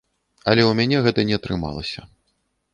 Але ў мяне гэта не атрымалася.